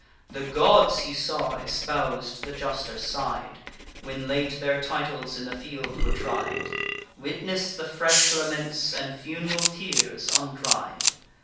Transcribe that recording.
The gods, he saw, espous'd the juster side, When late their titles in the field were tried: Witness the fresh laments, and fun'ral tears undried.